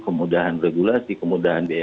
kemudahan regulasi kemudahan biaya